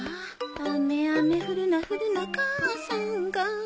「雨雨降るな降るな母さんが」